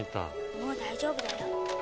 もう大丈夫だよ」